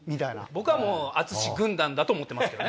僕はもう淳軍団だと思ってますけどね。